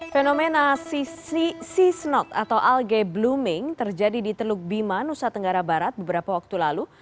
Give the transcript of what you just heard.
fenomena sea snot atau alge blooming terjadi di teluk bima nusa tenggara barat beberapa waktu lalu